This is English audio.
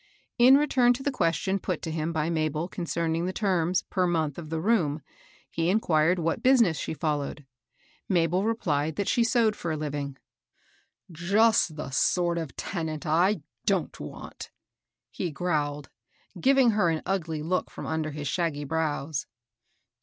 In return to the question put to him by Mabel concerning the terms, per month, of the room, he (188) THE HOUSE AGENT. 189 inquired what business she followed. Mabel re plied that she sewed for a living. " Just the sort of tenant I don't want," he growled, giving her an ugly look from under his shaggy brows.